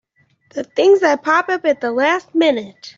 The things that pop up at the last minute!